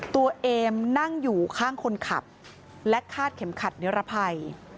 ตัวเองนั่งอยู่ข้างคนขับและคาดเข็มขัดนิรภัย